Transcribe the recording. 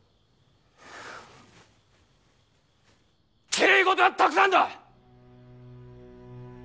きれい事はたくさんだ！